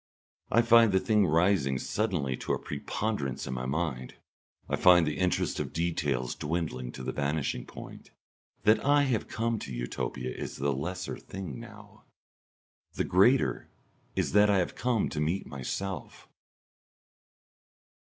I find the thing rising suddenly to a preponderance in my mind. I find the interest of details dwindling to the vanishing point. That I have come to Utopia is the lesser thing now; the greater is that I have come to meet myself.